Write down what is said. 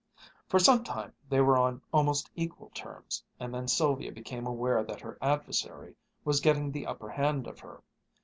For some time they were on almost equal terms, and then Sylvia became aware that her adversary was getting the upper hand of her.